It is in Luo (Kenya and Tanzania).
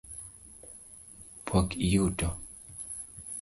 Pok iyuto?